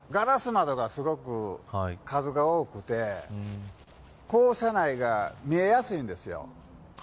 今、こう見てみるとガラス窓がすごく数が多くて校舎内が見えやすいんですよ。